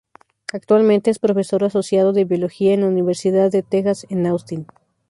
Actualmente, es profesor asociado de biología en la Universidad de Texas en Austin.